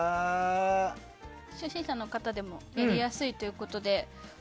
初心者の方でもやりやすいということで。